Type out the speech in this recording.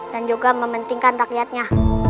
dan juga mementingkan rakyatnya